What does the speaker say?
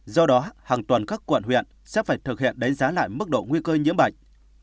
do đó hàng tuần các quận huyện sẽ phải thực hiện đánh giá lại mức độ nguy cơ nhiễm bệnh